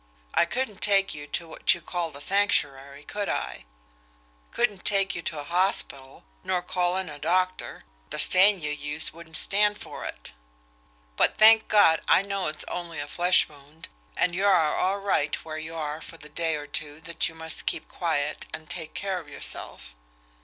I couldn't take you to what you call the Sanctuary could I? I couldn't take you to a hospital, nor call in a doctor the stain you use wouldn't stand it. But, thank God! I know it's only a flesh wound, and you are all right where you are for the day or two that you must keep quiet and take care of yourself.